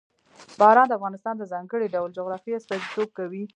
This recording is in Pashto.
باران د افغانستان د ځانګړي ډول جغرافیه استازیتوب کوي.